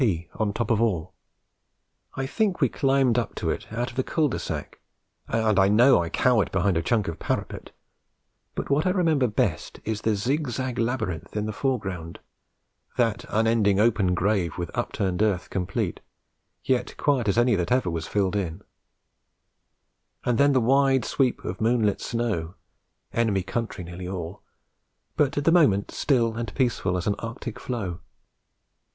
P. on top of all. I think we climbed up to it out of the cul de sac, and I know I cowered behind a chunk of parapet; but what I remember best is the zig zag labyrinth in the foreground, that unending open grave with upturned earth complete, yet quiet as any that ever was filled in; and then the wide sweep of moonlit snow, enemy country nearly all, but at the moment still and peaceful as an arctic floe.